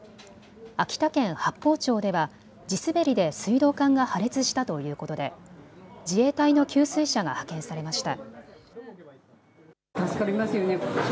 秋田県八峰町では地滑りで水道管が破裂したということで自衛隊の給水車が派遣されました。